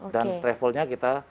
dan travelnya kita